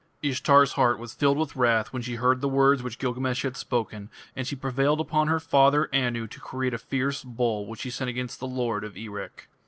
Ishtar's heart was filled with wrath when she heard the words which Gilgamesh had spoken, and she prevailed upon her father Anu to create a fierce bull which she sent against the lord of Erech.